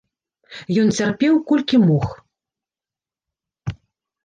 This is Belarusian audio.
Ён цярпеў, колькі мог.